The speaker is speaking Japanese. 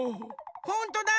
ほんとだ！